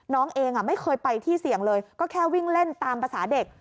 น้องเองไม่เคยไปที่เสี่ยงเลยก็แค่วิ่งเล่นตามภาษาเด็ก